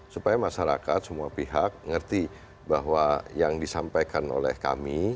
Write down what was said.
supaya masyarakat semua pihak ngerti bahwa yang disampaikan oleh kami